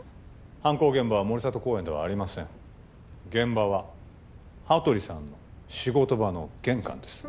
犯行現場は森里公園ではありません現場は羽鳥さんの仕事場の玄関です